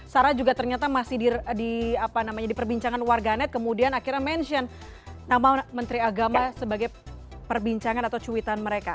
sarah juga ternyata masih di apa namanya di perbincangan warganet kemudian akhirnya mention nama menteri agama sebagai perbincangan atau cuitan mereka